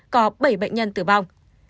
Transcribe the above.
có bảy bệnh nhân tử vong